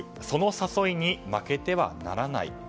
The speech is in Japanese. その誘いの負けてはならない。